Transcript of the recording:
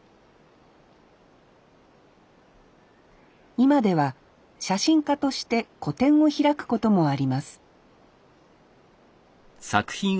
今では写真家として個展を開くこともあります